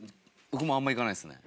僕もあんまり行かないですね。